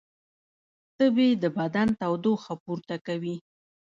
تبې د بدن تودوخه پورته کوي